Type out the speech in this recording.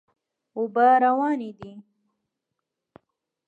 اوبه روانې دي.